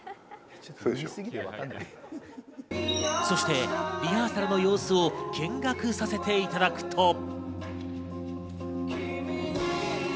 そしてリハーサルの様子を見学させていただくと。